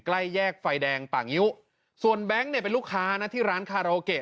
ใกล้แยกไฟแดงป่างิ้วส่วนแบงค์เนี่ยเป็นลูกค้านะที่ร้านคาราโอเกะ